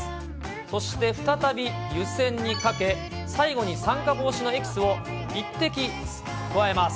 そして再び湯煎にかけ、最後に酸化防止のエキスを１滴加えます。